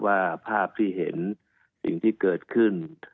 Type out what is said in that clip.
ว่าภาพที่เห็นสิ่งที่เกิดขึ้น